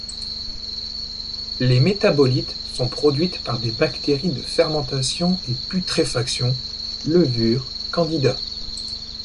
Les métabolites sont produites par des bactéries de fermentation et putréfaction, levures, candida.